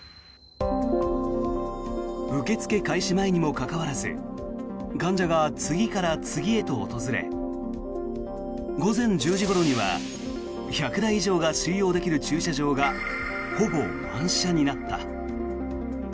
受け付け開始前にもかかわらず患者が次から次へと訪れ午前１０時ごろには１００台以上が収容できる駐車場がほぼ満車になった。